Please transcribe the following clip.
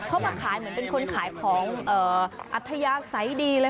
เขามาขายเหมือนเป็นคนขายของอัธยาศัยดีเลย